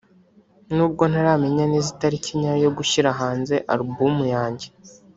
“N’ubwo ntaramenya neza itariki nyayo yo gushyira hanze album yanjye